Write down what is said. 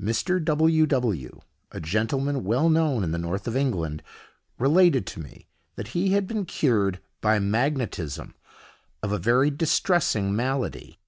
Mr. W—— W——, a gentleman well known in the north of England, related to me that he had been cured, by magnetism, of a very distressing malady.